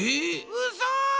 うそ！